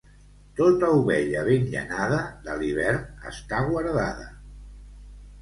Tota ovella ben llanada de l'hivern està guardada.